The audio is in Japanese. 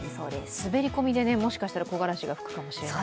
滑り込みでもしかしたら木枯らしが吹くかもしれない。